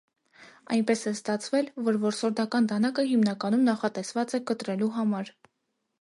Այնպես է ստացվել, որ որսորդական դանակը հիմնականում նախատեսված է կտրելու համար։